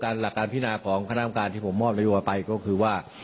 การหลักการถิมมาการของ๓๑ที่ผมบ้านว่าก็คือว่า